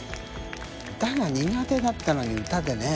歌が苦手だったのに歌でね